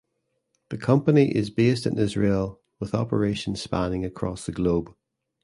The company is based in Israel with operations spanning across the globe.